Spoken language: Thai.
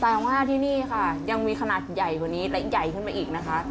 แต่ว่าที่นี่ค่ะยังมีขนาดใหญ่กว่านี้และใหญ่ขึ้นมาอีกนะคะ